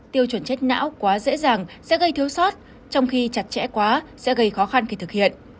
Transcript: tiêu chuẩn chết não quá dễ dàng sẽ gây thiếu sót trong khi chặt chẽ quá sẽ gây khó khăn khi thực hiện